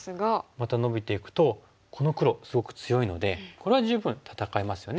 またノビていくとこの黒すごく強いのでこれは十分戦えますよね。